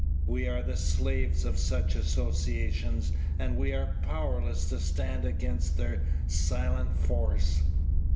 We are the slaves of such associations, and we are powerless to stand against their silent force.